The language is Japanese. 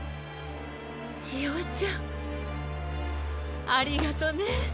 ちえおちゃん！ありがとね。